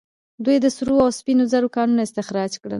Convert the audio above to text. دوی د سرو او سپینو زرو کانونه استخراج کړل